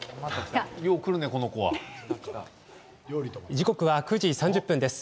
時刻は９時３０分です。